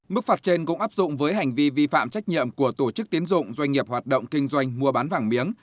mức phạt trên cũng áp dụng với hành vi vi phạm trách nhiệm của tổ chức tiến dụng doanh nghiệp hoạt động kinh doanh mua bán vàng miếng